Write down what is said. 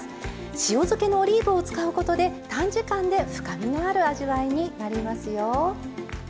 塩漬けのオリーブを使うことで短時間で深みのある味わいになりますよ。